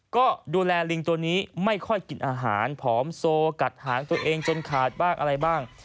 ก็ดูแลลิงตัวนี้ไม่ค่อยกินอาหารผอมโซกัดหางตัวเองจนขาดบ้างอะไรบ้าง